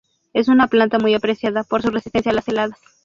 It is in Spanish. Es una planta muy apreciada por su resistencia a las heladas.